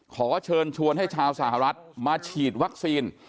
ขอเชิญชวนให้ชาวสหรัฐมาฉีดวัคซีน